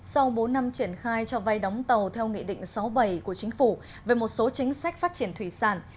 sau bốn năm triển khai cho vay đóng tàu theo nghị định sáu bảy của chính phủ về một số chính sách phát triển thủy sản